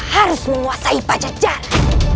harus menguasai pajajara